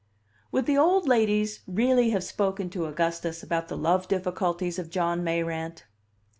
Would the old ladies really have spoken to Augustus about the love difficulties of John Mayrant?